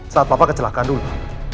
saat papa kecelakaan dulu